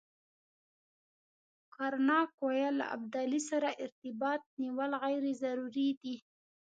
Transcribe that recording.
کرناک ویل له ابدالي سره ارتباط نیول غیر ضروري دي.